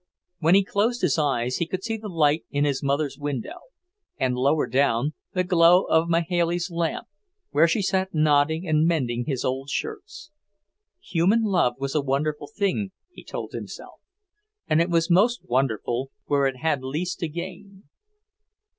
When he closed his eyes he could see the light in his mother's window; and, lower down, the glow of Mahailey's lamp, where she sat nodding and mending his old shirts. Human love was a wonderful thing, he told himself, and it was most wonderful where it had least to gain.